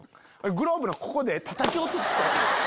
グラブのここでたたき落として。